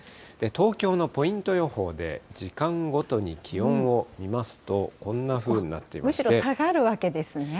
東京のポイント予報で、時間ごとに気温を見ますと、こんなふうにむしろ下がるわけですね。